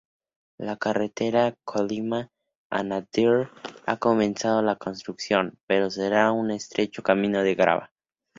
La carretera Kolyma-Anadyr ha comenzado la construcción, pero será un estrecho camino de grava.